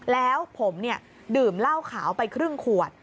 แล้วผมดื่มเหล้าขาวไปครึ่งขวด